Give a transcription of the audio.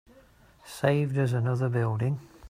Saved us another building.